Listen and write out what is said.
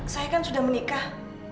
saya kan sudah menikah